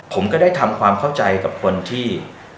ผมก็ได้ทำความเข้าใจกับคนที่